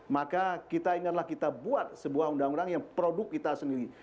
maka kita ini adalah kita buat sebuah undang undang yang produk kita sendiri